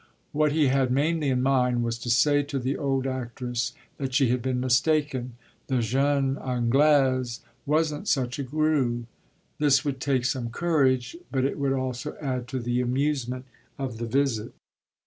What he had mainly in mind was to say to the old actress that she had been mistaken the jeune Anglaise wasn't such a grue. This would take some courage, but it would also add to the amusement of his visit.